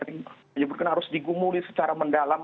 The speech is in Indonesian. ini mungkin harus digumuli secara mendalam